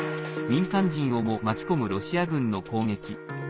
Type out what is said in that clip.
民間人をも巻き込むロシア軍の攻撃。